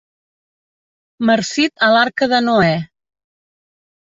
Marcit a l'Arca de Noè.